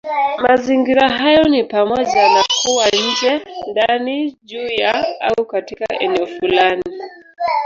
Mazingira hayo ni pamoja na kuwa nje, ndani, juu ya, au katika eneo fulani.